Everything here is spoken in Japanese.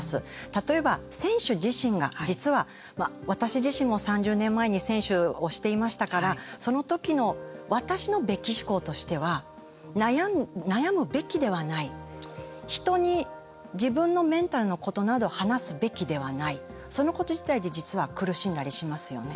例えば、選手自身が実は私自身も３０年前に選手をしていましたからそのときの私のべき思考としては悩むべきではない人に自分のメンタルのことなど話すべきではないそのこと自体で実は苦しんだりしますよね。